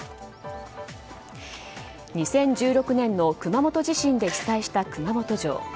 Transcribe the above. ２０１６年の熊本地震で被災した熊本城。